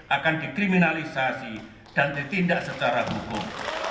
akan dikriminalisasi dan ditindak secara hukum